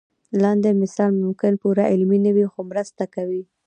لاندې مثال ممکن پوره علمي نه وي خو مرسته کوي.